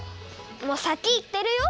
もうさきいってるよ！